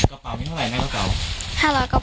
กระเป๋าไม่เท่าไหร่นะเวลาเก่า